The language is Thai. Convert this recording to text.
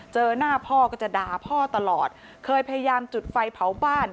เจอหน้าพ่อก็จะด่าพ่อตลอดเคยพยายามจุดไฟเผาบ้าน